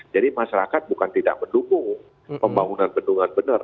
jadi masyarakat bukan tidak mendukung pembangunan tendungan benar